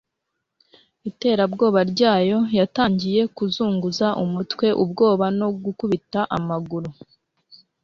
iterabwoba ryayo. yatangiye kuzunguza umutwe ubwoba no gukubita amaguru